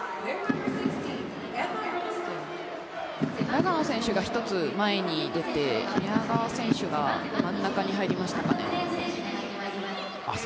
長野選手が一つ前に出て、宮川選手が真ん中に入りましたかね。